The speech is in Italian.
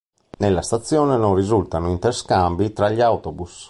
Nella stazione non risultano interscambi tra gli autobus.